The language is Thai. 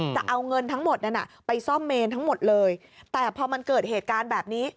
จะเอาเงินทั้งหมดนั้นไปซ่อมเมนทั้งหมดเลยแต่พอมันเกิดเหตุการณ์แบบนี้